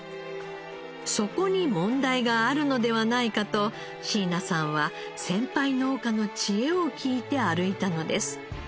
そこに問題があるのではないかと椎名さんは先輩農家の知恵を聞いて歩いたのです。